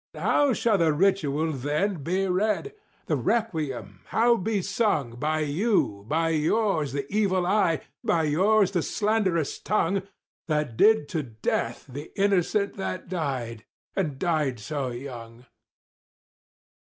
How shall the ritual, then, be read?—the requiem how be sung By you—by yours, the evil eye,—by yours, the slanderous tongue That did to death the innocent that died, and died so young?"